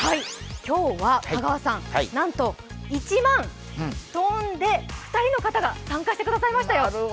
今日は香川さん、なんと１万２人の方が参加してくださいましたよ。